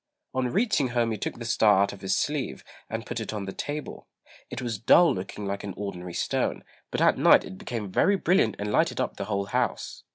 On reaching home he took the star out of his sleeve, and put it on the table. It was dull looking like an ordinary stone; but at night it became very brilliant and lighted up the whole house.